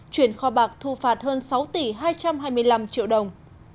chuyển kho bạc thu phạt hơn sáu tỷ hai trăm hai mươi năm triệu đồng